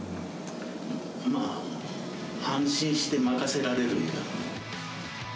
まあ、安心して任せられる。